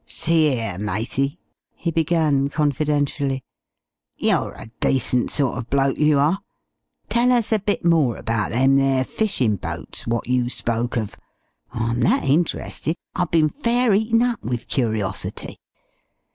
"See 'ere, matey," he began confidentially, "you're a decent sort of bloke, you are! Tell us a bit more about them there fishin' boats wot you spoke uv. I'm that interested, I've been fair eaten up with curiosity.